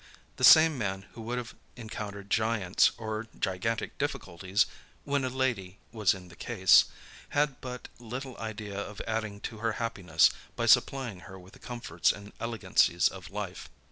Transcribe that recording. The same man who would have encountered giants, or gigantic difficulties, "when a lady was in the case," had but little idea of adding to her happiness, by supplying her with the comforts and elegancies of life.